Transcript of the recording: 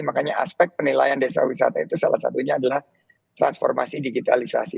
makanya aspek penilaian desa wisata itu salah satunya adalah transformasi digitalisasi